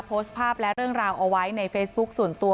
โพสต์ภาพและเรื่องราวเอาไว้ในเฟซบุ๊คส่วนตัว